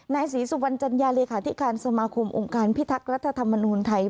นายศรีสุวรรณจัญญาเลขาธิการสมาคมองค์การพิทักษ์รัฐธรรมนูญไทย